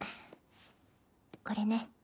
これね。